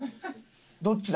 どっちだ？